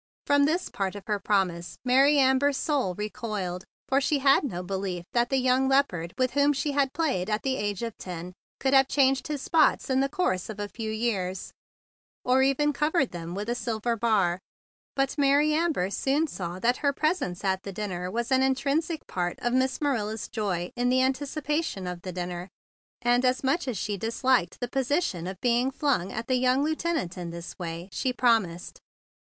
From this part of her promise Mary Amber's soul recoiled, for she had no belief that the young leopard with whom she had played at the age of ten could have changed his spots in the course of a few years, or even covered them with a silver bar. But Mary Amber soon saw that her presence at that dinner was an intrinsic part of Miss Manila's joy in the anticipation of the dinner; and, much as she disliked the position of being flung at the young lieutenant in this way, she promised.